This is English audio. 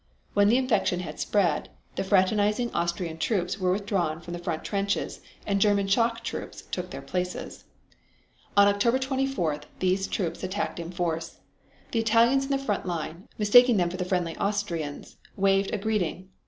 When the infection had spread, the fraternizing Austrian troops were withdrawn from the front trenches and German shock troops took their places. On October 24th these troops attacked in force. The Italians in the front line, mistaking them for the friendly Austrians, waved a greeting.